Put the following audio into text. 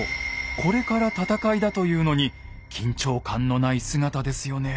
これから戦いだというのに緊張感のない姿ですよね。